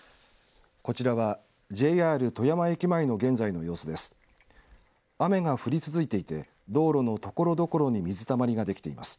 こちらはＪＲ富山駅前の現在の様子です。